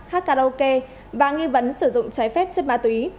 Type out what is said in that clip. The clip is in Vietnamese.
hát karaoke và nghi vấn sử dụng trái phép chất ma túy